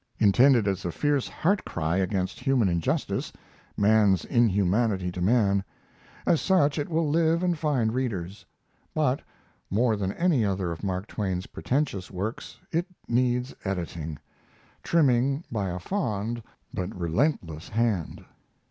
Intended as a fierce heart cry against human injustice man's inhumanity to man as such it will live and find readers; but, more than any other of Mark Twain's pretentious works, it needs editing trimming by a fond but relentless hard.